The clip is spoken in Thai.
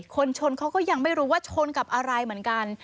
คนชนเขาก็ยังไม่รู้ว่าชนกับอะไรเหมือนกัน